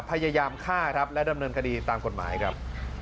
พยายามฆ่าครับและดำเนินคดีตามกฎหมายครับ